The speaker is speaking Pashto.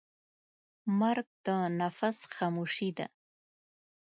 مرګ د نفس خاموشي ده.